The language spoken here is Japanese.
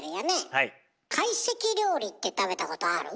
かいせき料理って食べたことある？